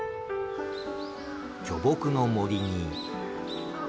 巨木の森に。